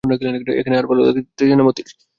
এখানে আর ভালো লাগিতেছে না মতির।